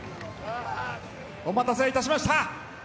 お待たせいたしました。